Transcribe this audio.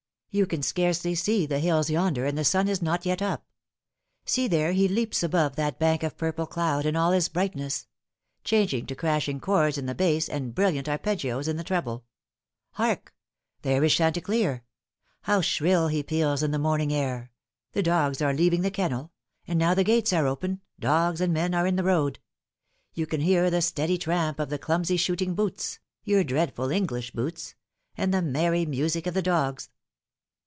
" You can scarcely see the hills yonder, and the sun is not yet up. See there he leaps above that bank of purple cloud, and aU is brightness," changing to crashing chords in the bass and brilliant arpeggios in the treble. " Hark ! taere is chanticleer. How shrill he peals in the morning air ! The dogs are leaving the kennel and now the gates are open, dogs and men are in the road. You can hear the steady tramp of the clumsy shooting boots your dreadful English boots and the merry music of the dogs.